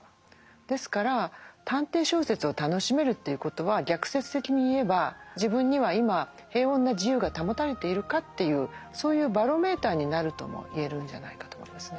ですから探偵小説を楽しめるということは逆説的に言えば自分には今平穏な自由が保たれているかというそういうバロメーターになるとも言えるんじゃないかと思いますね。